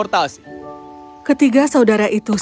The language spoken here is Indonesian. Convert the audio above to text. ketiga saudara itu mencari pekerjaan yang kuat langsung merekrut mereka